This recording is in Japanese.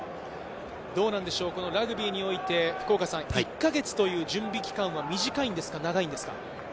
ラグビーにおいて１か月という準備期間は短いんですか、長いんですか？